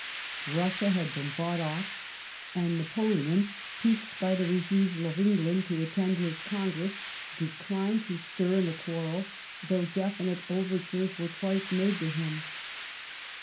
Bussia had been bought off; and Napoleon, piqued by the refusal of England to attend his Congress, declined to stir in the quarrel, though definite overtures were twice made to him.